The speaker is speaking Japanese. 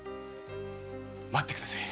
待ってくだせぇ。